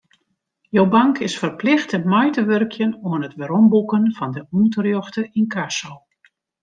Jo bank is ferplichte mei te wurkjen oan it weromboeken fan de ûnterjochte ynkasso.